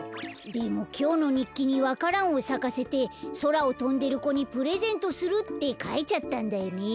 でもきょうのにっきにわか蘭をさかせてそらをとんでる子にプレゼントするってかいちゃったんだよね。